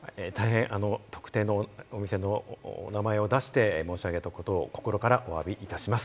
特定のお店のお名前を出して申し上げたことを心からお詫びいたします。